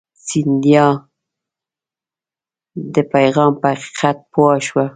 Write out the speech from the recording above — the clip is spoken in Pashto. سیندهیا د پیغام په حقیقت پوه شو.